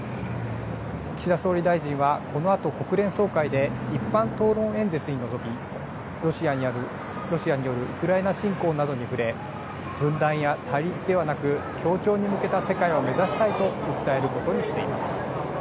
岸田総理大臣は、このあと国連総会で一般討論演説に臨み、ロシアによるウクライナ侵攻などに触れ、分断や対立ではなく、協調に向けた世界を目指したいと訴えることにしています。